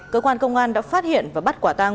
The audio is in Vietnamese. cơ quan công an đã phát hiện và bắt quả tang